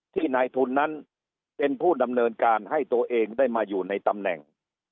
ที่นายทุนนั้นเป็นผู้ดำเนินการให้ตัวเองได้มาอยู่ในตำแหน่ง